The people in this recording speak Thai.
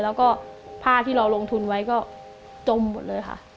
แล้วก็ผ้าที่เราลงทุนไว้ก็จมหมดเลยค่ะ